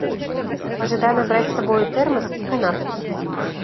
Пажадана браць з сабою тэрмас і канапкі.